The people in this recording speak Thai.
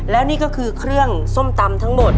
แล้วนี่ก็คือเครื่องส้มตำทั้งหมด